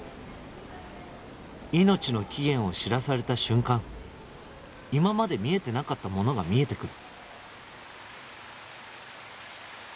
「命の期限を知らされた瞬間」「今まで見えてなかったものが見えてくる」